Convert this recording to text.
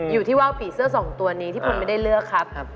อยู่ที่ว่าวผีเสื้อสองตัวนี้ที่คุณไม่ได้เลือกครับ